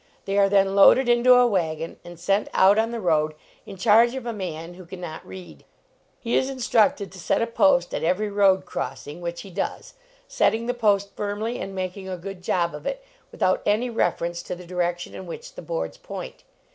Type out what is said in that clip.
They are then loaded into a wagon and sent out on the road in charge of a man who can 83 LEARNING TO TRAVEL not read. He is instructed to set a post at every road crossing, which he does, setting the post firmly and making a good job of it, without any reference to the direction in which the boards point.